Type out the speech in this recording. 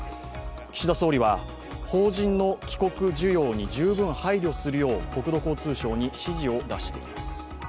岸田総理は、邦人の帰国需要に十分配慮するよう国土交通省に指示を出しています。